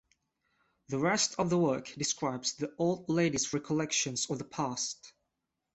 The rest of the work describes the old lady's recollections of the past.